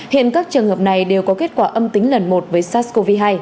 hiện các trường hợp này đều có kết quả âm tính lần một với sars cov hai